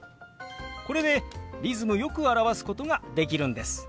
これでリズムよく表すことができるんです。